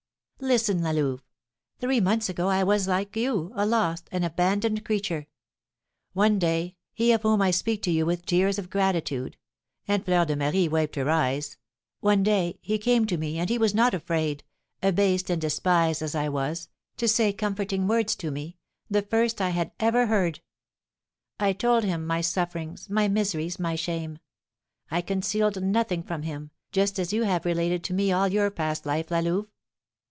"Listen, La Louve. Three months ago I was, like you, a lost, an abandoned creature. One day he of whom I speak to you with tears of gratitude," and Fleur de Marie wiped her eyes, "one day he came to me, and he was not afraid, abased and despised as I was, to say comforting words to me, the first I had ever heard. I told him my sufferings, my miseries, my shame; I concealed nothing from him, just as you have related to me all your past life, La Louve.